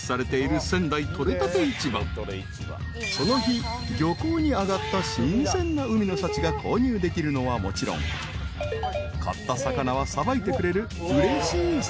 ［その日漁港に揚がった新鮮な海の幸が購入できるのはもちろん買った魚はさばいてくれるうれしいサービスも］